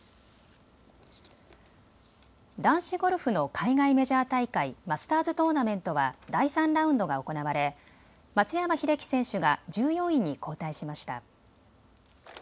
男子ゴルフの海外メジャー大会、マスターズ・トーナメントは第３ラウンドが行われ松山英樹選手が１４位に後退しました。